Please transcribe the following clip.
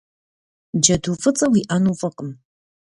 Джэду фӏыцӏэ уиӏэну фӏыкъым.